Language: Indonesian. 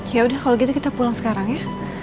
ya udah kalau gitu kita pulang sekarang ya